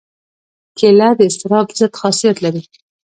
کېله د اضطراب ضد خاصیت لري.